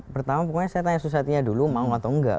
pertama pokoknya saya tanya susatya dulu mau atau enggak